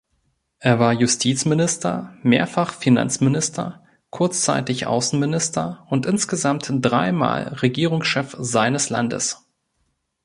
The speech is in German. Er war Justizminister, mehrfach Finanzminister, kurzzeitig Außenminister und insgesamt dreimal Regierungschef seines Landes.